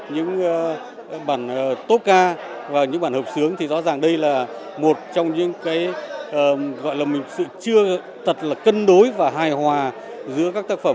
những bản tốt ca và những bản hợp sướng thì rõ ràng đây là một trong những cái gọi là một sự chưa tật là cân đối và hài hòa giữa các tác phẩm